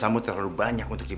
maafkan janjian gue